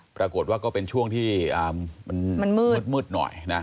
ปรากฏว่าก็เป็นช่วงที่มันมืดหน่อยนะ